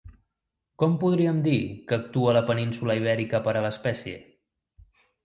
Com podríem dir que actua la península Ibèrica per a l'espècie?